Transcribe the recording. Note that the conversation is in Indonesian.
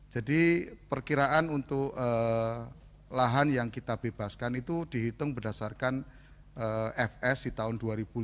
jadi perkiraan untuk lahan yang kita bebaskan itu dihitung berdasarkan fs di tahun dua ribu lima belas